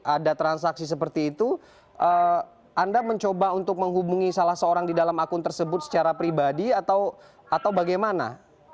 ada transaksi seperti itu anda mencoba untuk menghubungi salah seorang di dalam akun tersebut secara pribadi atau bagaimana